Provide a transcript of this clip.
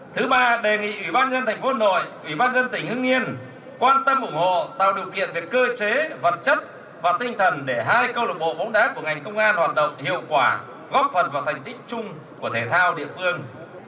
thứ ba đề nghị ủy ban nhân thành phố hà nội ủy ban dân tỉnh hưng yên quan tâm ủng hộ tạo điều kiện về cơ chế vật chất và tinh thần để hai câu lạc bộ bóng đá của ngành công an hoạt động hiệu quả góp phần vào thành tích chung của thể thao địa phương